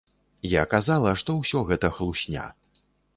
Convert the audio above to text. Я казала, што ўсё гэта хлусня.